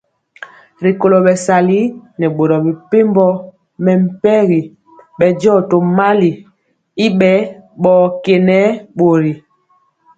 Rikolo bɛsali nɛ boro mepempɔ mɛmpegi bɛndiɔ tomali y bɛ bɔkenɛ bori.